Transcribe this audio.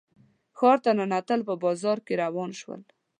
ښار ته ننوتل په بازار کې روان شول.